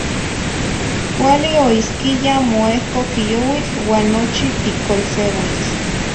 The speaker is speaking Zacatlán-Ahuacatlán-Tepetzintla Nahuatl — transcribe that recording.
Cuali oisquiya mo ehco quiyouitl uan nochi ticolseuis.